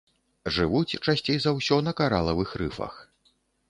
Жывуць часцей за ўсё на каралавых рыфах.